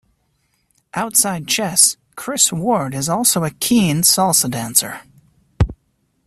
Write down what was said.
Outside chess, Chris Ward is also a keen Salsa dancer.